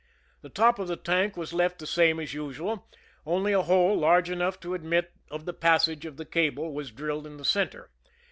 The top of the tank was left the same as usual, only a hole large enough to admit of the passage of the cable was drilled in the center.